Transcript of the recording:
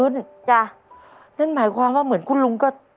นั่นหมายความว่าเหมือนคุณลุงก็